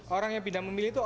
orang yang pindah memilih itu